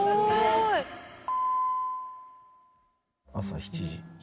朝７時。